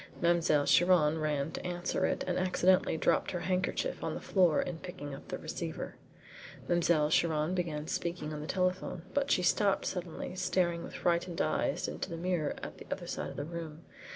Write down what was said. Mademoiselle Chiron ran to answer it, and accidentally dropped her handkerchief on the floor in picking up the receiver. Mademoiselle Chiron began speaking on the telephone, but she stopped suddenly, staring with frightened eyes into the mirror at the other side of the room.